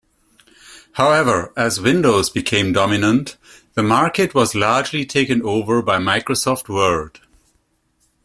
However, as Windows became dominant, the market was largely taken over by Microsoft Word.